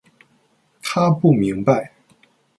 她不明白。